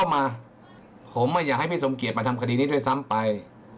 มาผมไม่อยากให้พี่สมเกียจมาทำคดีนี้ด้วยซ้ำไป